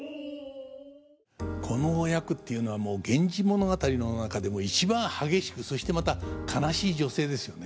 このお役っていうのはもう「源氏物語」の中でも一番激しくそしてまた悲しい女性ですよね。